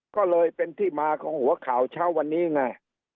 ก็เลยเป็นที่มาของหัวข่าวเช้าวันนี้ไง